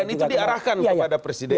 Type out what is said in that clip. dan itu diarahkan kepada presiden